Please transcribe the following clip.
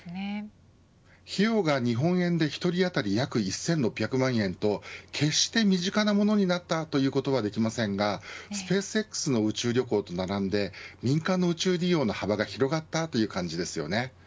費用が日本円で１人当たり約１６００万円と決して、身近なものになったということはできませんがスペースＸの宇宙旅行と並んで民間の宇宙利用の幅が広がったという感じですよね。